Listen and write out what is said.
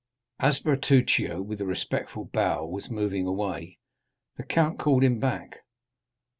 As Bertuccio, with a respectful bow, was moving away, the count called him back.